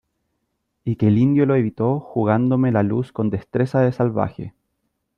y que el indio lo evitó jugándome la luz con destreza de salvaje .